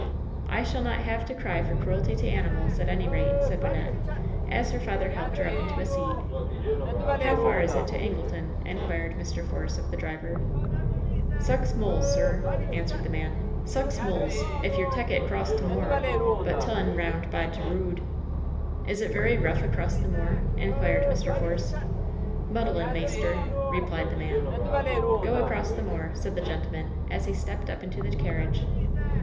"I shall not have to cry for cruelty to animals, at any rate,'' said Wynnette, as her father helped her up into a seat. ^'How far is it to Angleton ?" inquired Mr. Force of the driver. "Sux mulls, surr," answered the man. "Sux mulls^ if yur tek it cross t' moor, but tun, 'round b' t' rood." "Is it very rough across the moor?" inquired Mr. Force. "Muddlin', maister," replied the man. "Go across the moor," said the gentleman, as he stepped up into the carriage.